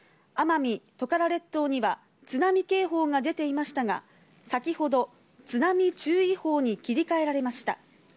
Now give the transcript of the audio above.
奄美、トカラ列島には津波警報が出ていましたが、先ほど、津波注意報に切り替えられました。